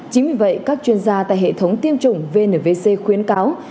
chính vì vậy các chuyên gia tại hệ thống tiêm chủng vnvc khuyến cáo